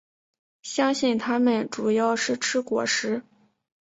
相信它们主要是吃果实。